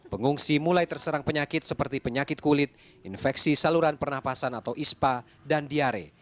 pengungsi mulai terserang penyakit seperti penyakit kulit infeksi saluran pernapasan atau ispa dan diare